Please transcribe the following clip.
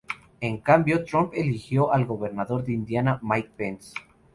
En cambio, Trump eligió al gobernador de Indiana, Mike Pence.